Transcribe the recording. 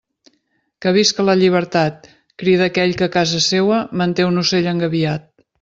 Que visca la llibertat, crida aquell que, a casa seua, manté un ocell engabiat.